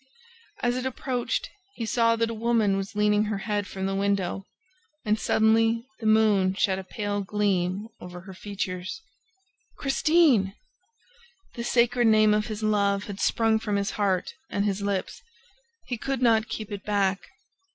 As it approached, he saw that a woman was leaning her head from the window. And, suddenly, the moon shed a pale gleam over her features. "Christine!" The sacred name of his love had sprung from his heart and his lips. He could not keep it back...